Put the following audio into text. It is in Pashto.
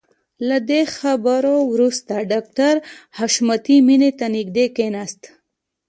له دې خبرو وروسته ډاکټر حشمتي مينې ته نږدې کښېناست.